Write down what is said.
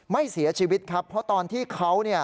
ไม่เสียชีวิตครับเพราะตอนที่เขา